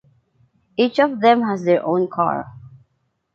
Each of them has their own car.